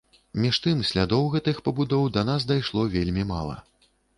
Між тым, слядоў гэтых пабудоў да нас дайшло вельмі мала.